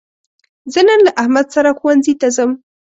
زه نن له احمد سره ښوونځي ته ځم.